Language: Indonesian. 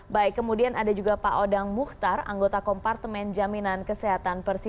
baik kemudian ada juga pak odang muhtar anggota kompartemen jaminan kesehatan persi